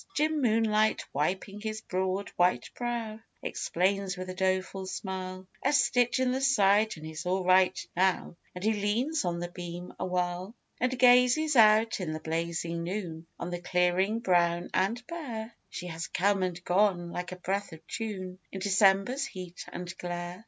Jim Moonlight, wiping his broad, white brow, Explains, with a doleful smile: 'A stitch in the side,' and 'he's all right now' But he leans on the beam awhile, And gazes out in the blazing noon On the clearing, brown and bare She has come and gone, like a breath of June, In December's heat and glare.